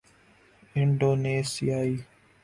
انڈونیثیائی